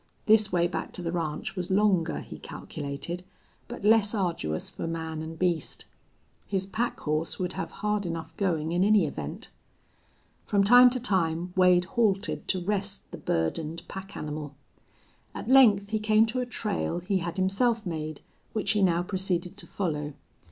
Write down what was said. This way back to the ranch was longer, he calculated, but less arduous for man and beast. His pack horse would have hard enough going in any event. From time to time Wade halted to rest the burdened pack animal. At length he came to a trail he had himself made, which he now proceeded to follow.